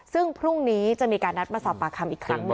ซึ่งพรุ่งนี้จะมีการนัดมาสอบปากคำอีกครั้งหนึ่ง